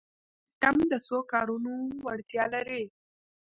دا سیسټم د څو کارونو وړتیا لري.